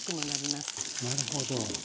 なるほど。